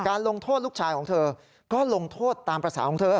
ลงโทษลูกชายของเธอก็ลงโทษตามภาษาของเธอ